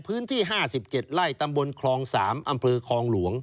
พื้นที่๕๗ไล่ตำบลครอง๓อำเภอครองหลวง